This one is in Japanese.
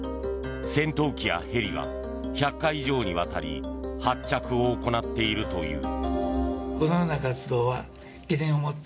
戦闘機やヘリが１００回以上にわたり発着を行っているという。